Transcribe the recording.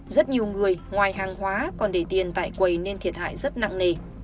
rất nhiều người ngoài hàng hóa còn để tiền tại quầy nên thiệt hại rất nặng nề